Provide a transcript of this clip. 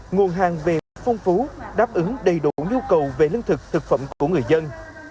nguồn hàng về phong phú đáp ứng đầy đủ nhu cầu về lương thực thực phẩm của người dân